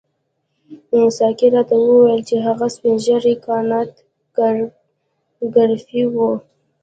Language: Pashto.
ساقي راته وویل چې هغه سپین ږیری کانت ګریفي وو.